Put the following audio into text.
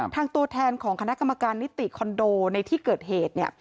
ตัวแทนของคณะกรรมการนิติคอนโดในที่เกิดเหตุเนี่ย